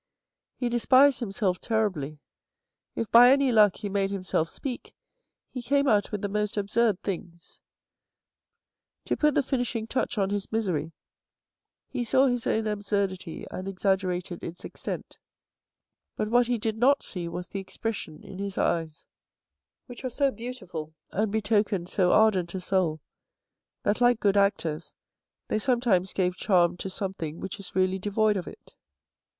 He despised himself terribly. If, by any luck, he made him self speak, he came out with the most absurd things. To put the finishing touch on his misery, he saw his own absurdity and exaggerated its extent, but what he did not see was the expression in his eyes, which were so beautiful and betokened THE ELECTIVE AFFINITIES 45 so ardent a soul, that like good actors, they sometimes gave charm to something which is really devoid of it.